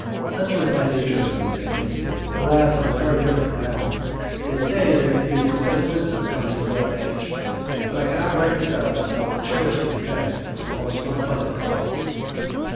Such was my nature in those days; alas; it is very different now. They say that it is because wisdom comes with old age, but I cannot reconcile myself to cherish the effect of a most unpleasant cause.